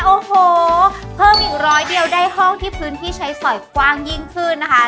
โอ้โหเพิ่มอีกร้อยเดียวได้ห้องที่พื้นที่ใช้สอยกว้างยิ่งขึ้นนะคะ